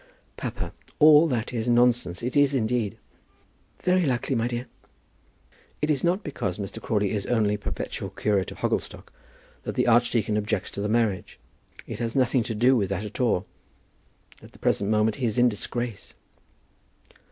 "Papa, all that is nonsense. It is, indeed." "Very likely, my dear." "It is not because Mr. Crawley is only perpetual curate of Hogglestock, that the archdeacon objects to the marriage. It has nothing to do with that at all. At the present moment he is in disgrace."